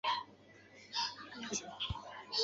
弗什罗勒人口变化图示